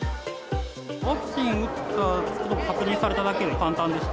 ワクチン打ったか確認されただけで簡単でした。